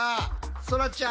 そらちゃん。